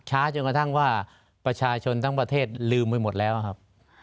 จนกระทั่งว่าประชาชนทั้งประเทศลืมไปหมดแล้วครับ